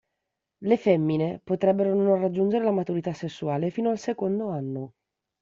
Le femmine potrebbero non raggiungere la maturità sessuale fino al secondo anno.